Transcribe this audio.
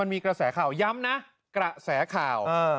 มีกระแสข่าวย้ำนะกระแสข่าว